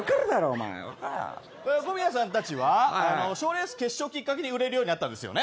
小宮さんたちは賞レース決勝きっかけに売れるようになったんですよね。